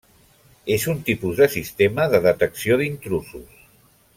És un tipus de Sistema de detecció d'intrusos.